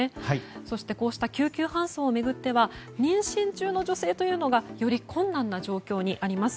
そして、こうした救急搬送を巡っては妊娠中の女性というのがより困難な状況にあります。